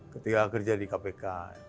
ketika kerja di kpk